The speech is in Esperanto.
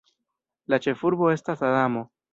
La ĉefurbo estas Adamo.